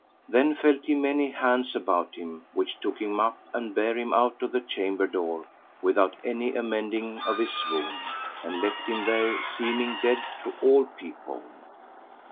Then felt he many hands about him, which took him up and bare him out of the chamber door, without any amending of his swoon, and left him there, seeming dead to all people.